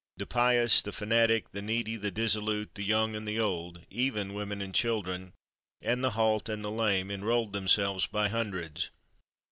The pious, the fanatic, the needy, the dissolute, the young and the old, even women and children, and the halt and lame, enrolled themselves by hundreds.